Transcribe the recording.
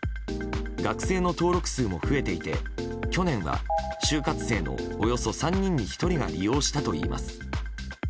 学生の登録数も増えていて去年は就活生のおよそ３人に１人が利用したといいます。